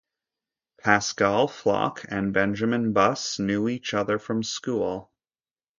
Pascal Flach and Benjamin Buss knew each other from school.